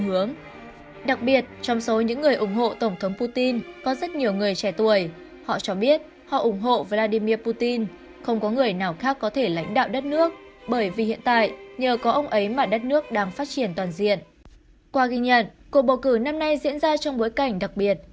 qua ghi nhận cuộc bầu cử năm nay diễn ra trong bối cảnh đặc biệt